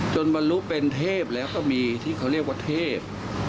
บรรลุเป็นเทพแล้วก็มีที่เขาเรียกว่าเทพ